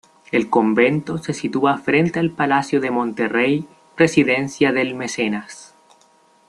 El Convento se sitúa frente al Palacio de Monterrey, residencia del mecenas.